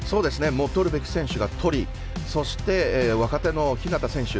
もう、とるべき選手がとりそして、若手の日向選手。